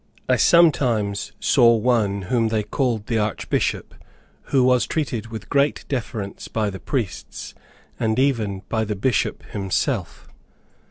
I sometimes saw one whom they called the Archbishop, who was treated with great deference by the priests, and even by the Bishop himself.